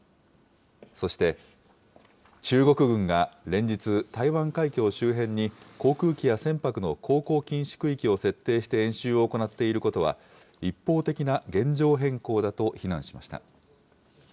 そして、中国軍が連日、台湾海峡周辺に航空機や船舶の航行禁止区域を設定して演習を行っていることは、一方的な現状変更だと非難しました。